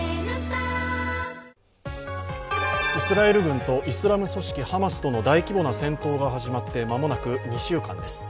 イスラエル軍とイスラム組織ハマスとの大規模な戦闘が始まって間もなく２週間です。